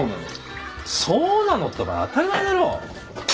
そうなのってお前当たり前だろ。